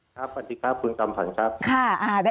ครับสวัสดีครับคุณตำรวจครับ